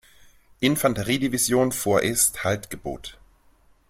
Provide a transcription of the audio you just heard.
Infanteriedivision vorerst Halt gebot.